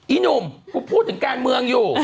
อีหนุ่มกูพูดถึงการเมืองอยู่